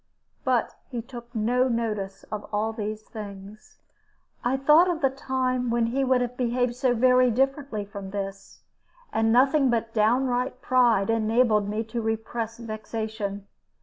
But he took no notice of all these things. I thought of the time when he would have behaved so very differently from this, and nothing but downright pride enabled me to repress vexation.